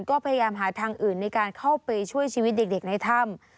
ก็พยายามหาทางอื่นในการเข้าไปช่วยชีวิตเด็กในถ้ำ